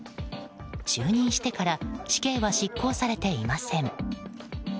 就任してから死刑は執行されていません。